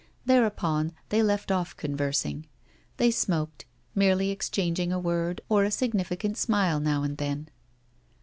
Thereupon they left off conversing; they smoked, merely exchanging a word or a significant smile now and then.